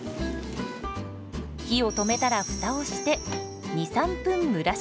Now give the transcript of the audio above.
火を止めたらフタをして２３分蒸らします。